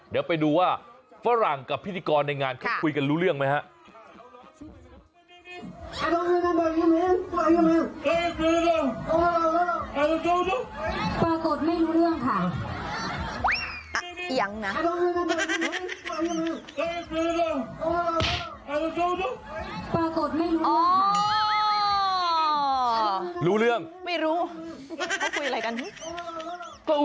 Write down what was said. เดี๋ยวไปดูว่าฝรั่งกับพิธีกรในงานเขาคุยกันรู้เรื่องไหมครับ